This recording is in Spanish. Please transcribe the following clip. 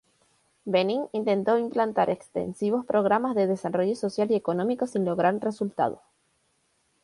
Benín intentó implantar extensivos programas de desarrollo social y económico sin lograr resultados.